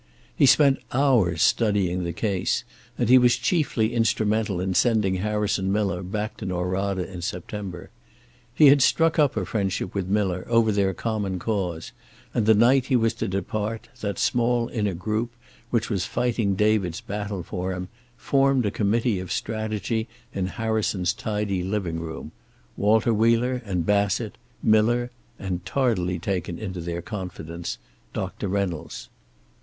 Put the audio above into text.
He spent hours studying the case, and he was chiefly instrumental in sending Harrison Miller back to Norada in September. He had struck up a friendship with Miller over their common cause, and the night he was to depart that small inner group which was fighting David's battle for him formed a board of strategy in Harrison's tidy living room; Walter Wheeler and Bassett, Miller and, tardily taken into their confidence, Doctor Reynolds.